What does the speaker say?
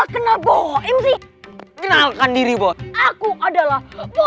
kenalkan diri aku adalah